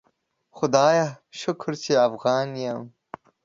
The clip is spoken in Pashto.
خدایه شکر چی افغان یم